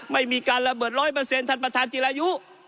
ไม่มีการระเบิดร้อยเปอร์เซ็นต์ท่านประธานจิรายุ